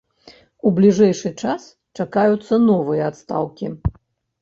У бліжэйшы час чакаюцца новыя адстаўкі.